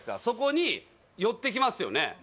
そこに寄ってきますよね